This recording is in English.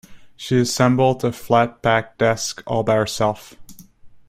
She assembled the flat-pack desk all by herself.